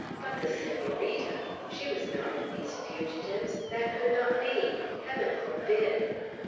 But the Senorita! She was not with these fugitives. That could not be! Heaven forbid!